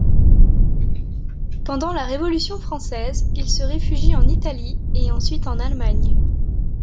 Pendant la Révolution française, il se réfugie en Italie, et ensuite en Allemagne.